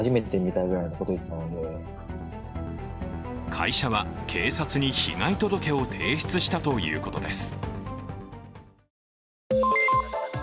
会社は警察に被害届を提出したということです。